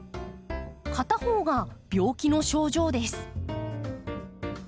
片方が病気の症状です。